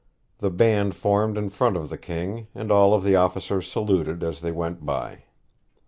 The band formed in front of the King, and all the officers saluted as they went by.